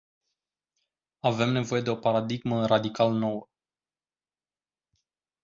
Avem nevoie de o paradigmă radical nouă.